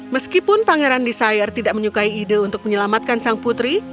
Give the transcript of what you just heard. meskipun pangeran desire tidak menyukai ide untuk menyelamatkan sang putri